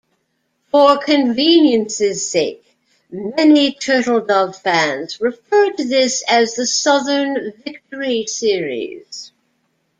For convenience's sake, many Turtledove fans refer to this as the Southern Victory series.